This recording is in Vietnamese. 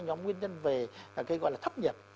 nhóm nguyên nhân về cái gọi là thấp nhiệt